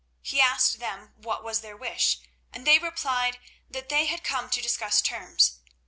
He asked them what was their wish, and they replied that they had come to discuss terms.